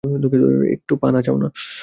একটু পা নাচাও।